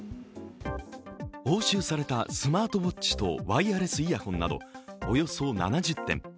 押収されたスマートウォッチとワイヤレスイヤホンなど、およそ７０点。